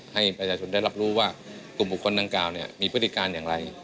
ให้ประชาชนได้รับรู้ว่ากลุ่มบุคคลดังกล่าวมีพฤติการอย่างไร